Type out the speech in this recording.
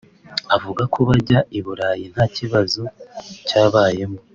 Avuga ko bajya I Burayi nta kibazo cyabayemo